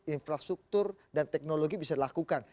infrastruktur dan teknologi bisa dilakukan